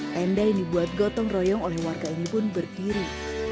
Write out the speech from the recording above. tenda yang dibuat gotong royong oleh warga ini pun berdiri